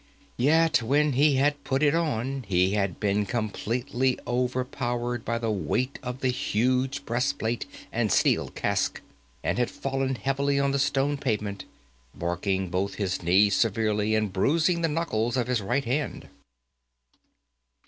Yet when he had put it on, he had been completely overpowered by the weight of the huge breastplate and steel casque, and had fallen heavily on the stone pavement, barking both his knees severely, and bruising the knuckles of his right hand.